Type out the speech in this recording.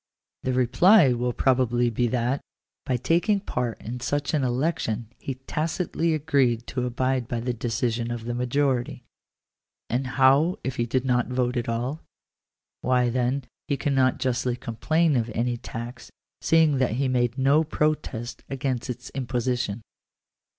The reply will probably be that, by taking part in such an election, he tacitly agreed to abide by the decision of the majority. And how if he did not vote at all ? Why then he cannot justly complain of any tax, seeing that he made no protest against its imposition.